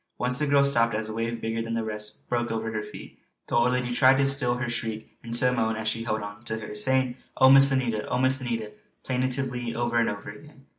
Once the girl stopped as a wave bigger than the rest broke over her feet. The old lady tried to still her shriek into a moan as she held on to her, saying "Oh Miss Anita! Oh Miss Anita!" plaintively over and over again.